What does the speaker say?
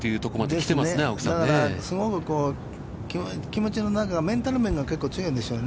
だから、すごく気持ちの、メンタル面が強いんでしょうね。